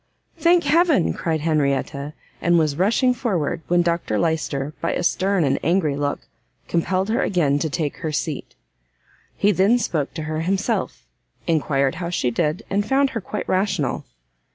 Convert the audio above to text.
"Thank Heaven!" cried Henrietta, and was rushing forward, when Dr Lyster, by a stern and angry look, compelled her again to take her seat. He then spoke to her himself, enquired how she did, and found her quite rational.